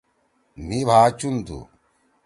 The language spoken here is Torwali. مھی بھا چُن تُھو۔